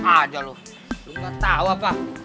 aduh lo gak tau apa